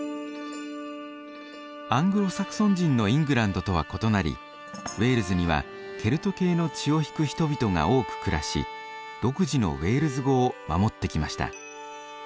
アングロサクソン人のイングランドとは異なりウェールズにはケルト系の血を引く人々が多く暮らし独自のウェールズ語を守ってきました。